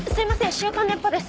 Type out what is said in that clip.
『週刊熱波』です。